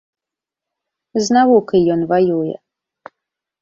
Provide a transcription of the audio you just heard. З навукай ён ваюе!